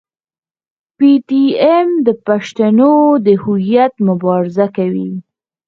پي ټي ایم د پښتنو د هویت مبارزه کوي.